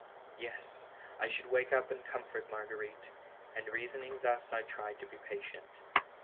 Yes, I should wake up and comfort Marguerite; and reason ing thus I tried to be patient.